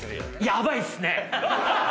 ヤバいっすね！